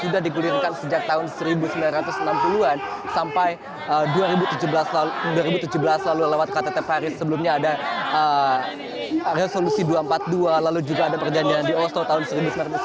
dan pada saat ini